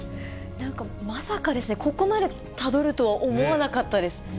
なんか、まさかですね、ここまでたどるとは思わなかったです。